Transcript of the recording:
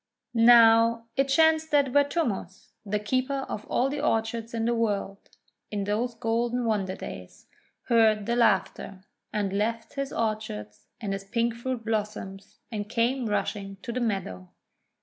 Now it chanced that Vertumnus, the Keeper of all the Orchards in the World in those golden wonder days, heard the laughter, and left his orchards and his pink fruit blossoms, and came rushing to the meadow.